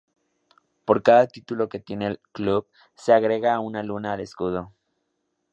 Por cada título que obtiene el club, se agrega una Luna al escudo.